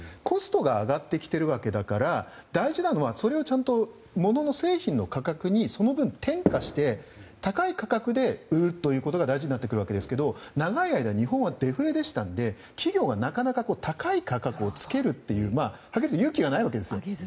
コストが上がってきているわけだから大事なのはそれをちゃんと製品価格に転嫁して高い価格で売ることが大事になってくるわけですけど長い間、日本はデフレでしたので企業が高い価格をつけるという勇気がないわけですよ。